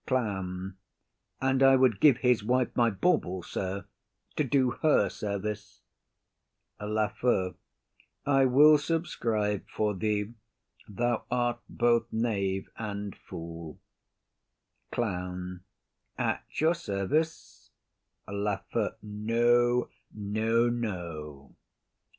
CLOWN. And I would give his wife my bauble, sir, to do her service. LAFEW. I will subscribe for thee; thou art both knave and fool. CLOWN. At your service. LAFEW. No, no, no.